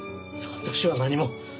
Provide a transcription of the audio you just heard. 私は何も。